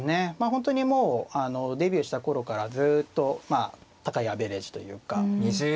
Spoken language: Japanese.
本当にもうデビューした頃からずっと高いアベレージというか。